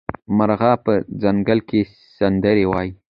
مرغه په ځنګل کې سندرې وايي.